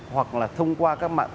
hoặc là thông qua các mạng